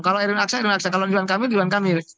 kalau erwin aksa dan aksa kalau ridwan kamil ridwan kamil